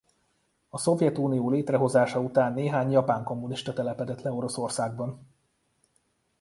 A Szovjetunió létrehozása után néhány japán kommunista telepedett le Oroszországban.